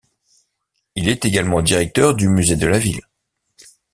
Il est également directeur du musée de la ville.